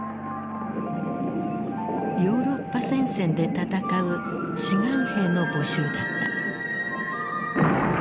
ヨーロッパ戦線で戦う志願兵の募集だった。